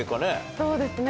そうですね。